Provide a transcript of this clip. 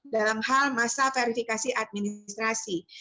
dalam hal masa verifikasi administrasi